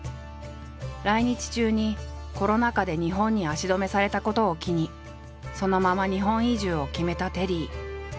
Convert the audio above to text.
来日中にコロナ禍で日本に足止めされたことを機にそのまま日本移住を決めたテリー。